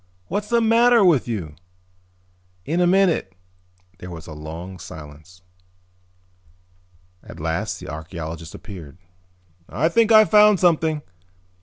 "What's the matter with you?" "In a minute." There was a long silence. At last the archeologist appeared. "I think I've found something.